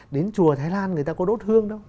đến chùa thái lan người ta có đốt hương đâu